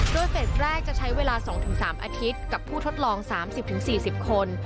โดยเฟสแรกจะใช้เวลา๒๓อาทิตย์กับผู้ทดลอง๓๐๔๐คน